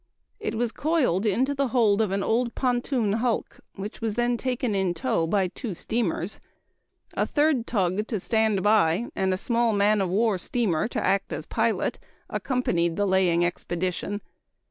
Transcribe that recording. It was coiled into the hold of an old pontoon hulk, which was then taken in tow by two steamers. A third tug to stand by, and a small man of war steamer to act as pilot, accompanied the laying expedition.